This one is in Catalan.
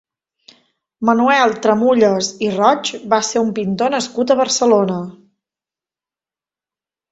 Manuel Tramulles i Roig va ser un pintor nascut a Barcelona.